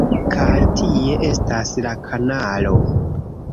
Kaj tie estas la kanalo...